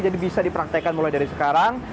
jadi bisa dipraktekan mulai dari sekarang